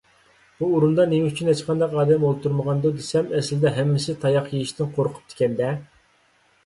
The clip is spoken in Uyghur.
_ بۇ ئورۇندا نېمە ئۈچۈن ھېچقانداق ئادەم ئولتۇرمىغاندۇ دېسەم، ئەسلىدە ھەممىسى تاياق يېيىشتىن قورقۇپتىكەن - دە.